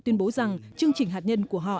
tuyên bố rằng chương trình hạt nhân của họ